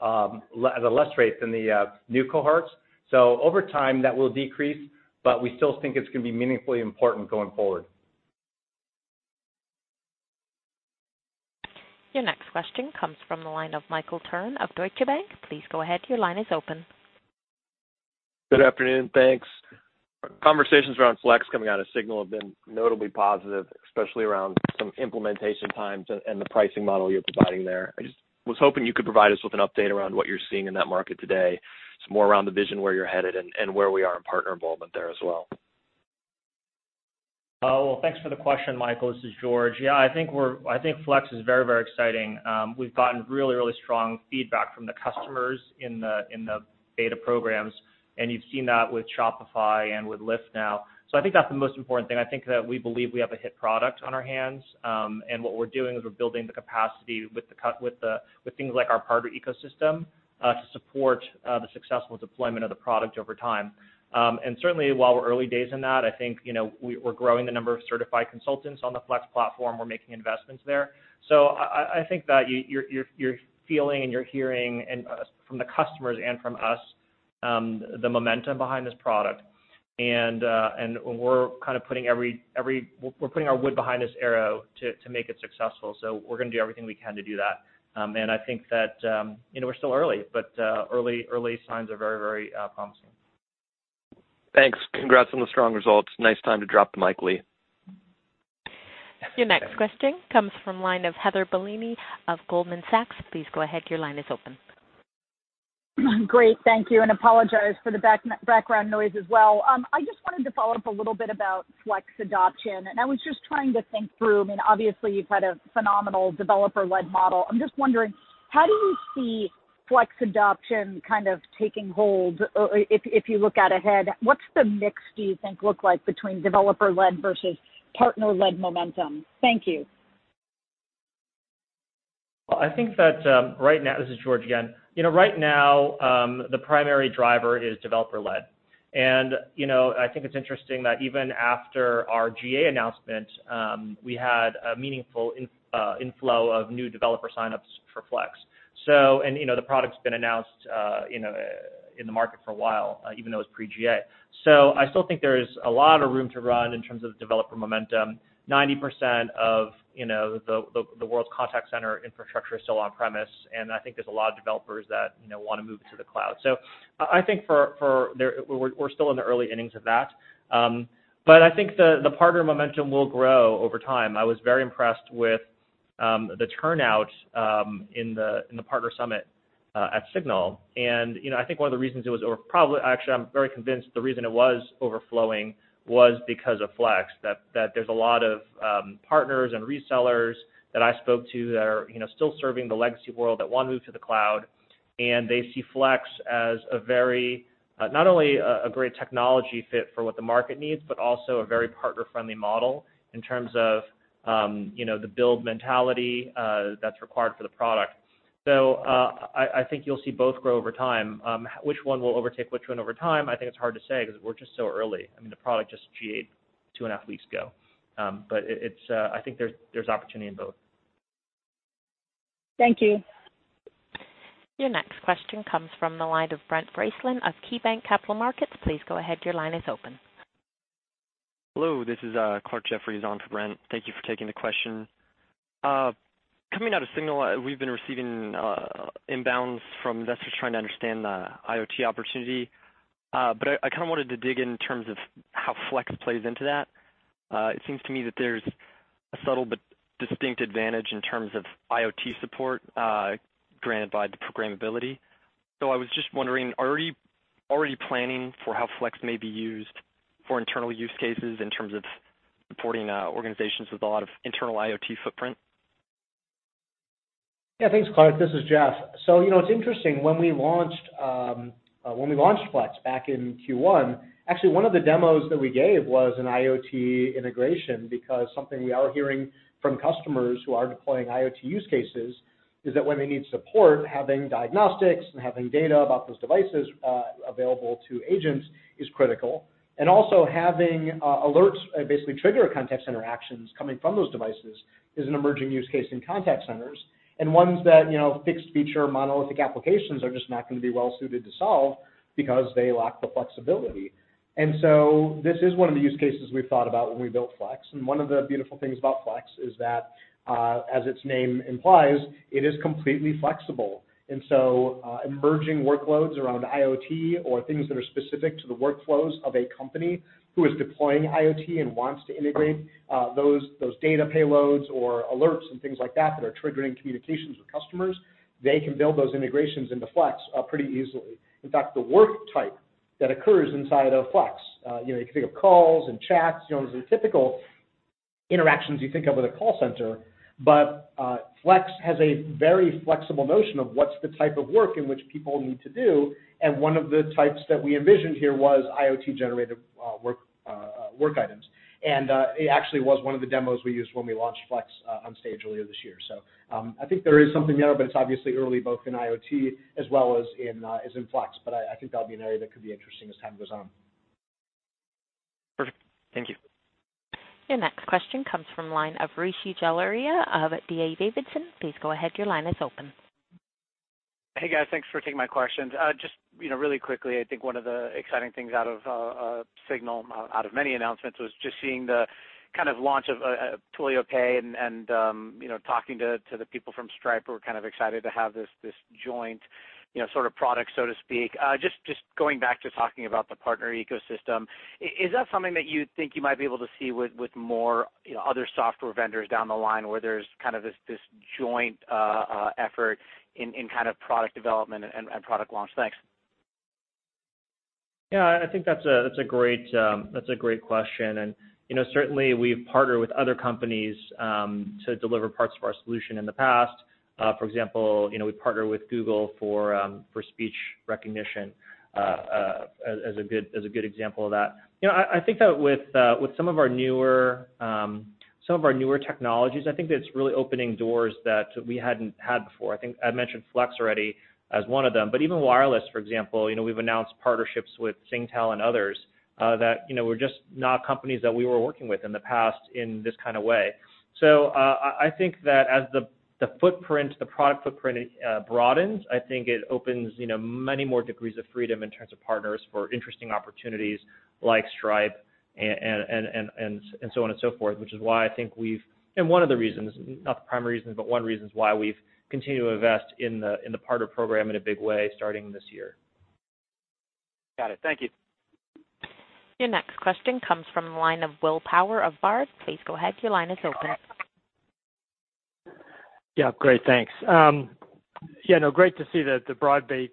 at a less rate than the new cohorts. Over time, that will decrease, but we still think it's going to be meaningfully important going forward. Your next question comes from the line of Michael Turrin of Deutsche Bank. Please go ahead. Your line is open. Good afternoon. Thanks. Conversations around Flex coming out of SIGNAL have been notably positive, especially around some implementation times and the pricing model you're providing there. I just was hoping you could provide us with an update around what you're seeing in that market today. Some more around the vision where you're headed and where we are in partner involvement there as well. Well, thanks for the question, Michael. This is George. Yeah, I think Flex is very, very exciting. We've gotten really, really strong feedback from the customers in the beta programs, and you've seen that with Shopify and with Lyft now. I think that's the most important thing. I think that we believe we have a hit product on our hands, and what we're doing is we're building the capacity with things like our partner ecosystem, to support the successful deployment of the product over time. Certainly, while we're early days in that, I think we're growing the number of certified consultants on the Flex platform. We're making investments there. I think that you're feeling and you're hearing from the customers and from us the momentum behind this product. We're putting our wood behind this arrow to make it successful, so we're going to do everything we can to do that. I think that we're still early, but early signs are very, very promising. Thanks. Congrats on the strong results. Nice time to drop the mic, Lee. Your next question comes from the line of Heather Bellini of Goldman Sachs. Please go ahead. Your line is open. Great. Thank you, and apologize for the background noise as well. I just wanted to follow up a little bit about Flex adoption, and I was just trying to think through. Obviously you've had a phenomenal developer-led model. I'm just wondering, how do you see Flex adoption kind of taking hold? If you look out ahead, what's the mix, do you think, look like between developer-led versus partner-led momentum? Thank you. I think that. This is George again. Right now, the primary driver is developer-led. I think it's interesting that even after our GA announcement, we had a meaningful inflow of new developer signups for Flex. The product's been announced in the market for a while, even though it was pre-GA. I still think there's a lot of room to run in terms of developer momentum. 90% of the world's contact center infrastructure is still on-premise, and I think there's a lot of developers that want to move to the cloud. I think we're still in the early innings of that. I think the partner momentum will grow over time. I was very impressed with the turnout in the partner summit at SIGNAL. I think one of the reasons actually, I'm very convinced the reason it was overflowing was because of Flex. There's a lot of partners and resellers that I spoke to that are still serving the legacy world that want to move to the cloud, and they see Flex as not only a great technology fit for what the market needs, but also a very partner-friendly model in terms of the build mentality that's required for the product. I think you'll see both grow over time. Which one will overtake which one over time, I think it's hard to say because we're just so early. The product just GA'd two and a half weeks ago. I think there's opportunity in both. Thank you. Your next question comes from the line of Brent Bracelin of KeyBank Capital Markets. Please go ahead. Your line is open. Hello, this is Clark Jeffries on for Brent. Thank you for taking the question. Coming out of SIGNAL, we've been receiving inbounds from investors trying to understand the IoT opportunity. I kind of wanted to dig in terms of how Flex plays into that. It seems to me that there's a subtle but distinct advantage in terms of IoT support, granted by the programmability. I was just wondering, are you already planning for how Flex may be used for internal use cases in terms of supporting organizations with a lot of internal IoT footprint? Thanks, Clark. This is Jeff. It's interesting, when we launched Twilio Flex back in Q1, actually one of the demos that we gave was an IoT integration because something we are hearing from customers who are deploying IoT use cases is that when they need support, having diagnostics and having data about those devices available to agents is critical. Also having alerts basically trigger contact center actions coming from those devices is an emerging use case in contact centers, and ones that fixed-feature monolithic applications are just not going to be well suited to solve because they lack the flexibility. This is one of the use cases we thought about when we built Twilio Flex. One of the beautiful things about Twilio Flex is that, as its name implies, it is completely flexible. Emerging workloads around IoT or things that are specific to the workflows of a company who is deploying IoT and wants to integrate those data payloads or alerts and things like that that are triggering communications with customers, they can build those integrations into Twilio Flex pretty easily. In fact, the work type that occurs inside of Twilio Flex, you can think of calls and chats as the typical interactions you think of with a contact center, but Twilio Flex has a very flexible notion of what's the type of work in which people need to do, and one of the types that we envisioned here was IoT-generated work items. It actually was one of the demos we used when we launched Twilio Flex on stage earlier this year. I think there is something there, but it's obviously early, both in IoT as well as in Twilio Flex. I think that'll be an area that could be interesting as time goes on. Perfect. Thank you. Your next question comes from the line of Rishi Jaluria of D.A. Davidson. Please go ahead. Your line is open. Hey, guys. Thanks for taking my questions. Just really quickly, I think one of the exciting things out of SIGNAL, out of many announcements, was just seeing the launch of Twilio Pay and talking to the people from Stripe who were kind of excited to have this joint sort of product, so to speak. Just going back to talking about the partner ecosystem, is that something that you think you might be able to see with more other software vendors down the line where there's kind of this joint effort in kind of product development and product launch? Thanks. Yeah, I think that's a great question. Certainly, we've partnered with other companies to deliver parts of our solution in the past. For example, we partner with Google for speech recognition, as a good example of that. I think that with some of our newer technologies, I think that it's really opening doors that we hadn't had before. I think I've mentioned Flex already as one of them, but even wireless, for example, we've announced partnerships with Singtel and others that were just not companies that we were working with in the past in this kind of way. I think that as the product footprint broadens, I think it opens many more degrees of freedom in terms of partners for interesting opportunities like Stripe and so on and so forth, which is why I think, and one of the reasons, not the primary reason, but one of the reasons why we've continued to invest in the partner program in a big way starting this year. Got it. Thank you. Your next question comes from the line of William Power of Baird. Please go ahead, your line is open. Yeah. Great, thanks. Yeah, great to see the broad-based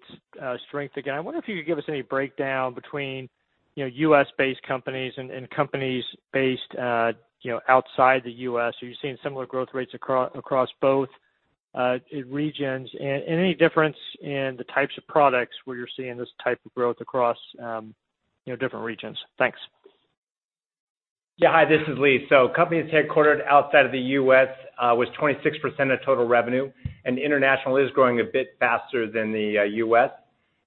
strength again. I wonder if you could give us any breakdown between U.S.-based companies and companies based outside the U.S. Are you seeing similar growth rates across both regions? Any difference in the types of products where you're seeing this type of growth across different regions? Thanks. Yeah. Hi, this is Lee. Companies headquartered outside of the U.S. was 26% of total revenue, international is growing a bit faster than the U.S.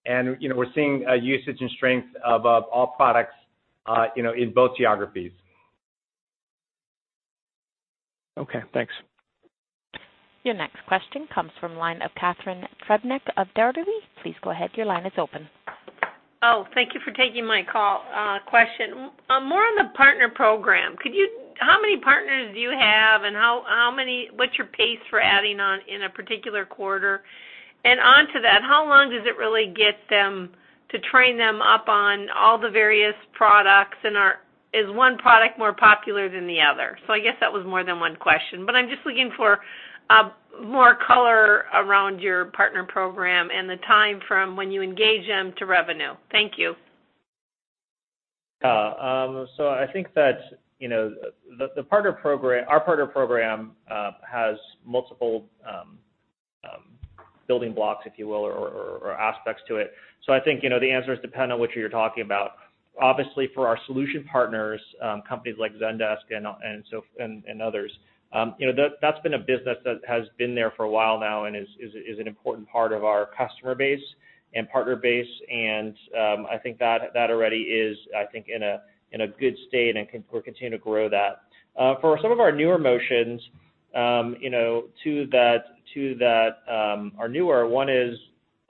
We're seeing usage and strength of all products in both geographies. Okay, thanks. Your next question comes from the line of Catharine Trebnick of Berenberg. Please go ahead, your line is open. Oh, thank you for taking my call. Question, more on the partner program. How many partners do you have, and what's your pace for adding on in a particular quarter? Onto that, how long does it really get them to train them up on all the various products, and is one product more popular than the other? I guess that was more than one question, but I'm just looking for more color around your partner program and the time from when you engage them to revenue. Thank you. I think that our partner program has multiple building blocks, if you will, or aspects to it. I think the answer is dependent on which you're talking about. Obviously, for our solution partners, companies like Zendesk and others. That's been a business that has been there for a while now and is an important part of our customer base and partner base. I think that already is, I think, in a good state and we'll continue to grow that. For some of our newer motions, two that are newer, one is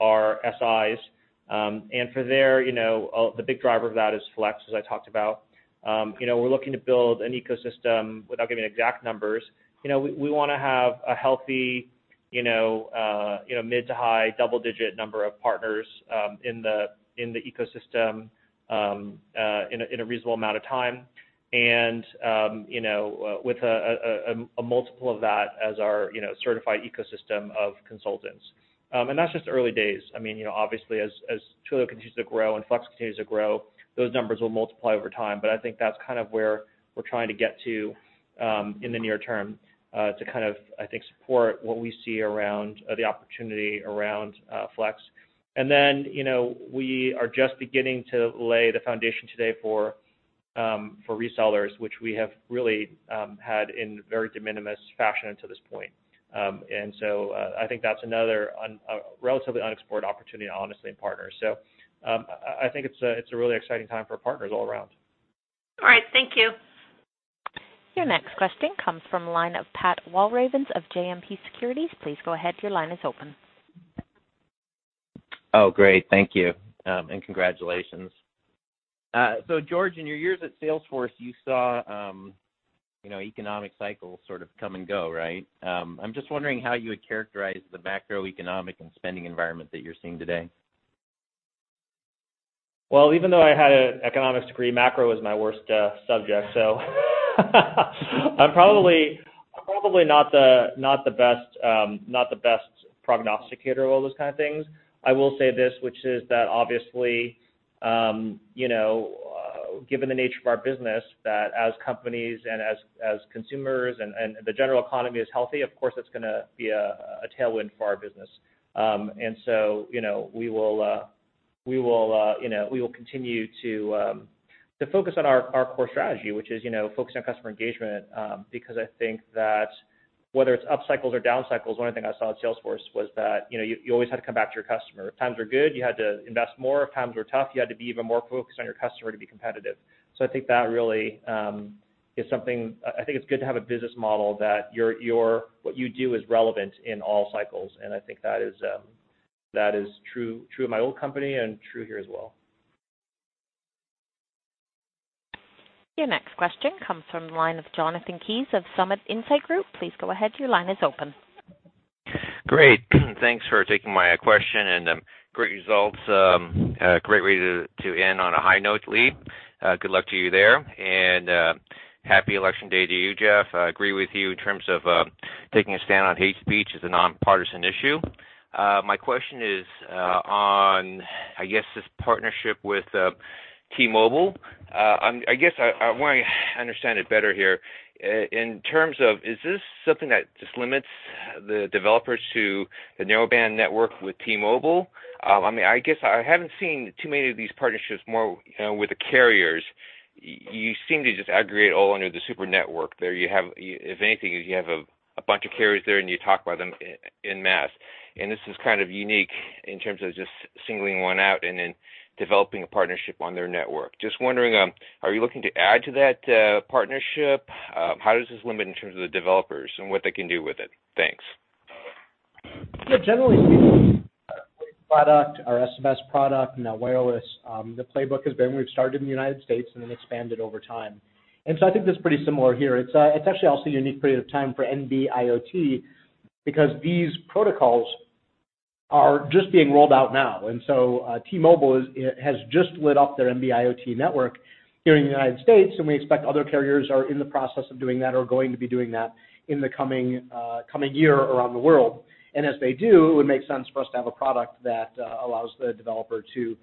our SIs. For there, the big driver of that is Flex, as I talked about. We're looking to build an ecosystem without giving exact numbers. We want to have a healthy mid to high double-digit number of partners in the ecosystem in a reasonable amount of time. With a multiple of that as our certified ecosystem of consultants. That's just early days. Obviously, as Twilio continues to grow and Flex continues to grow, those numbers will multiply over time. I think that's kind of where we're trying to get to in the near term to kind of, I think, support what we see around the opportunity around Flex. We are just beginning to lay the foundation today for resellers, which we have really had in very de minimis fashion to this point. I think that's another relatively unexplored opportunity, honestly, in partners. I think it's a really exciting time for partners all around. All right. Thank you. Your next question comes from the line of Pat Walravens of JMP Securities. Please go ahead, your line is open. Oh, great. Thank you, and congratulations. George, in your years at Salesforce, you saw economic cycles sort of come and go, right? I'm just wondering how you would characterize the macroeconomic and spending environment that you're seeing today. Even though I had an economics degree, macro was my worst subject, so I'm probably not the best prognosticator of all those kind of things. I will say this, which is that obviously, given the nature of our business, that as companies and as consumers and the general economy is healthy, of course, that's going to be a tailwind for our business. We will continue to focus on our core strategy, which is focusing on customer engagement, because I think that whether it's up cycles or down cycles, one of the things I saw at Salesforce was that you always had to come back to your customer. If times were good, you had to invest more. If times were tough, you had to be even more focused on your customer to be competitive. I think that really is something. I think it's good to have a business model that what you do is relevant in all cycles, and I think that is true in my old company and true here as well. Your next question comes from the line of Jonathan Kees of Summit Insights Group. Please go ahead, your line is open. Great. Thanks for taking my question and great results. Great way to end on a high note, Lee. Good luck to you there. Happy election day to you, Jeff. I agree with you in terms of taking a stand on hate speech is a nonpartisan issue. My question is on, I guess, this partnership with T-Mobile. I guess I want to understand it better here. In terms of, is this something that just limits the developers to the narrowband network with T-Mobile? I guess I haven't seen too many of these partnerships more with the carriers. You seem to just aggregate all under the Super Network there. If anything, you have a bunch of carriers there, and you talk about them en masse. This is kind of unique in terms of just singling one out and then developing a partnership on their network. Just wondering, are you looking to add to that partnership? How does this limit in terms of the developers and what they can do with it? Thanks. Yeah, generally speaking, our voice product, our SMS product, now wireless, the playbook has been we've started in the United States and then expanded over time. I think that's pretty similar here. It's actually also a unique period of time for NB-IoT because these protocols are just being rolled out now. T-Mobile has just lit up their NB-IoT network here in the United States, and we expect other carriers are in the process of doing that or going to be doing that in the coming year around the world. As they do, it would make sense for us to have a product that allows the developer to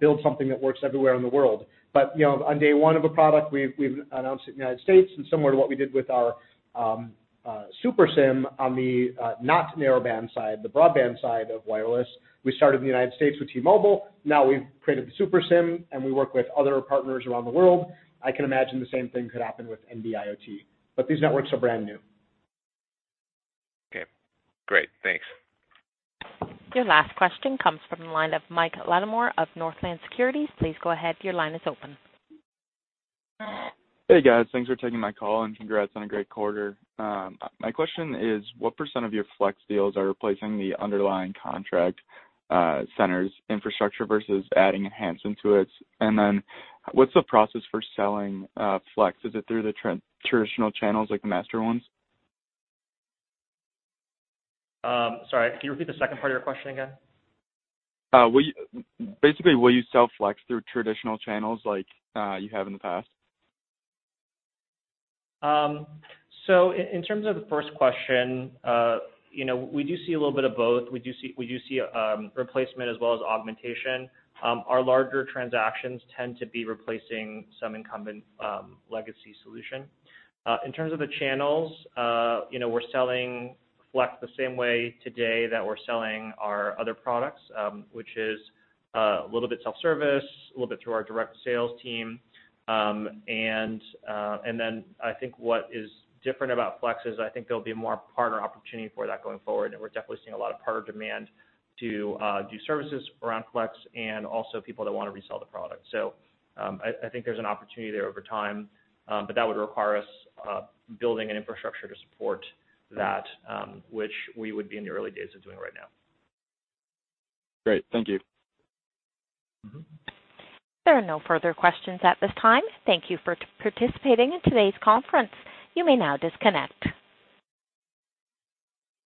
build something that works everywhere in the world. On day one of a product, we've announced it in the United States, and similar to what we did with our Super SIM on the not narrowband side, the broadband side of wireless, we started in the United States with T-Mobile. Now we've created the Super SIM, and we work with other partners around the world. I can imagine the same thing could happen with NB-IoT, these networks are brand new. Okay, great. Thanks. Your last question comes from the line of Michael Latimore of Northland Securities. Please go ahead. Your line is open. Hey, guys. Thanks for taking my call, Congrats on a great quarter. My question is, what % of your Flex deals are replacing the underlying contact centers infrastructure versus adding enhance into it? What's the process for selling Flex? Is it through the traditional channels like the master ones? Sorry, can you repeat the second part of your question again? Basically, will you sell Flex through traditional channels like you have in the past? In terms of the first question we do see a little bit of both. We do see replacement as well as augmentation. Our larger transactions tend to be replacing some incumbent legacy solution. In terms of the channels we're selling Flex the same way today that we're selling our other products, which is a little bit self-service, a little bit through our direct sales team. I think what is different about Flex is I think there'll be more partner opportunity for that going forward, and we're definitely seeing a lot of partner demand to do services around Flex and also people that want to resell the product. I think there's an opportunity there over time, but that would require us building an infrastructure to support that, which we would be in the early days of doing right now. Great. Thank you. There are no further questions at this time. Thank you for participating in today's conference. You may now disconnect.